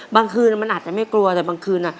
บางคืนมันอาจจะไม่กลัวแต่บางคืนอ่ะ